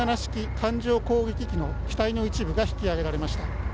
艦上攻撃機の機体の一部が引き揚げられました。